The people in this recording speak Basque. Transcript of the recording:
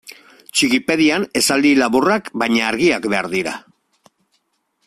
Txikipedian esaldi laburrak baina argiak behar dira.